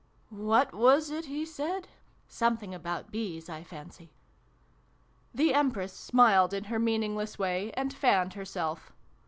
" What was it he said ? Some thing about bees, I fancy ." The Empress smiled in her meaningless way, and fanned herself.